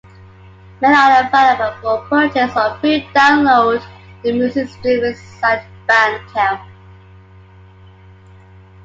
Many are available for purchase or free download on the music streaming site Bandcamp.